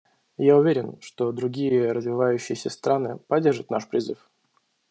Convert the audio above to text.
Я уверен, что другие развивающиеся страны поддержат наш призыв.